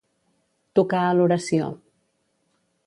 Tocar a l'oració.